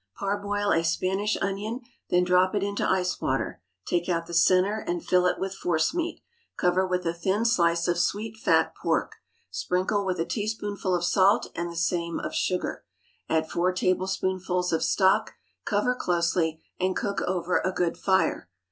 _ Parboil a Spanish onion; then drop it into ice water; take out the centre and fill it with force meat; cover with a thin slice of sweet fat pork; sprinkle with a teaspoonful of salt and the same of sugar; add four tablespoonfuls of stock, cover closely, and cook over a good fire.